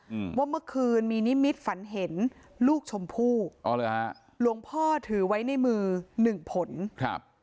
อืมว่าเมื่อคืนมีนิมิตฝันเห็นลูกชมพู่อ๋อเหรอฮะหลวงพ่อถือไว้ในมือหนึ่งผลครับ